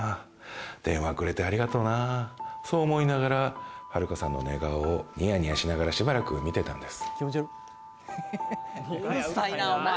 電話くれてありがとうなそう思いながらハルカさんの寝顔をニヤニヤしながらしばらく見てたんです